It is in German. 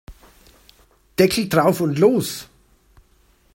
Deckel drauf und los!